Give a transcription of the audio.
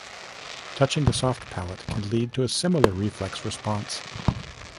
Touching the soft palate can lead to a similar reflex response.